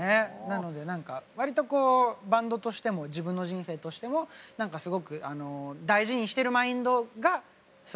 なので何かわりとこうバンドとしても自分の人生としてもすごく大事にしてるマインドがすごく詰まってる感じですね。